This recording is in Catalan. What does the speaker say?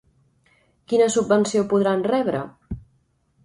Quina subvenció podran rebre?